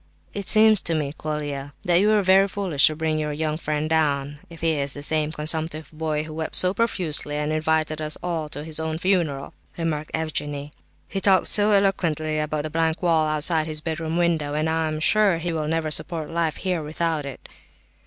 "It seems to me, Mr. Colia, that you were very foolish to bring your young friend down—if he is the same consumptive boy who wept so profusely, and invited us all to his own funeral," remarked Evgenie Pavlovitch. "He talked so eloquently about the blank wall outside his bedroom window, that I'm sure he will never support life here without it."